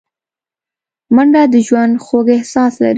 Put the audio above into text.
منډه د ژوند خوږ احساس لري